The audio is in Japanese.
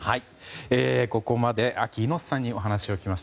ここまでＡＫＩ猪瀬さんにお話を聞きました。